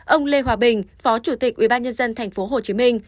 ông lê hòa bình phó chủ tịch ubnd tp hcm